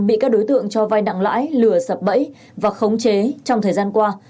bị các đối tượng cho vai nặng lãi lừa sập bẫy và khống chế trong thời gian qua